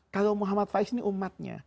kalau muhammad faiz ini umatnya